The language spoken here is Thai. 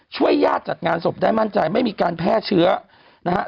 ญาติจัดงานศพได้มั่นใจไม่มีการแพร่เชื้อนะฮะ